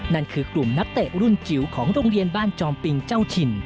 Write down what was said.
นั่นคือกลุ่มนักเตะรุ่นจิ๋วของโรงเรียนบ้านจอมปิงเจ้าถิ่น